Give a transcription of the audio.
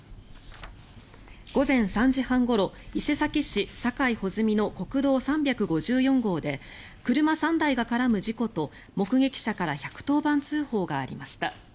午前３時半ごろ伊勢崎市境保泉の国道３５４号で車３台が絡む事故と、目撃者から１１０番通報がありました。